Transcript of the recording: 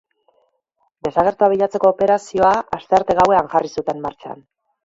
Desagertua bilatzeko operazioa jarri zuten astearte gauean jarri zuten martxan.